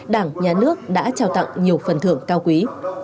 đảng nhà nước đã trao tặng nhiều phần thưởng cao quý